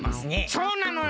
そうなのよ。